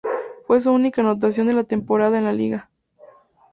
Fue su única anotación de la temporada en la liga.